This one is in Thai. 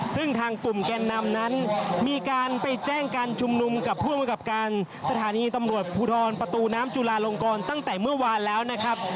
ซึ่งทางกลุ่มแกนนำนั้นมีการไปแจ้งการชุมนุมกับผู้อำกับการสถานีตำรวจภูทรประตูน้ำจุลาลงกรตั้งแต่เมื่อวานแล้วนะครับ